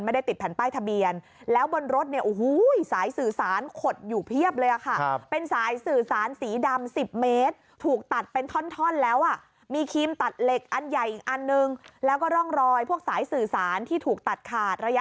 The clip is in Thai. ไม่ได้ติดผ่านป้ายทะเบียนแล้วบนรถสายสื่อสารขดอยู่เพียบเลย